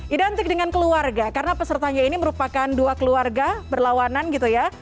identik dengan keluarga karena pesertanya ini merupakan dua keluarga berlawanan gitu ya